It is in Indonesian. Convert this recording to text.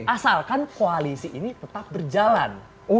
asalkan koalisi ini tetap berjalan